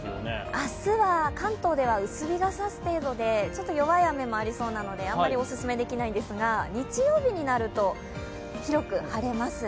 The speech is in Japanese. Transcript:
明日は関東では薄日が差す程度で弱い雨もありそうなのであまりお勧めできないんですが、日曜日になると広く晴れます。